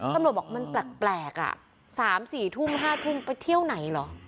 ตำรวจบอกมันแปลกแปลกอ่ะสามสี่ทุ่มห้าทุ่มไปเที่ยวไหนหรอ